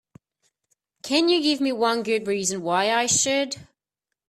Can you give me one good reason why I should?